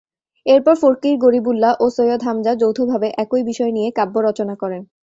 এরপর ফকির গরিবুল্লাহ ও সৈয়দ হামজা যৌথভাবে একই বিষয় নিয়ে কাব্য রচনা করেন।